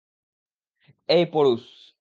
এই, পোরুস!